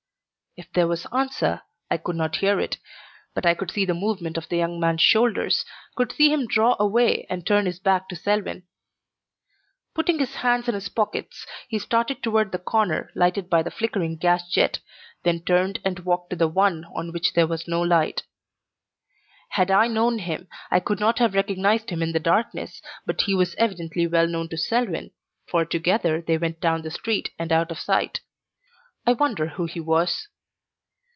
If there was answer I could not hear it, but I could see the movement of the young man's shoulders, could see him draw away and turn his back to Selwyn. Putting his hands in his pockets, he started toward the corner lighted by the flickering gas jet, then turned and walked to the one on which there was no light. Had I known him, I could not have recognized him in the darkness, but he was evidently well known to Selwyn, for together they went down the street and out of sight. I wonder who he was.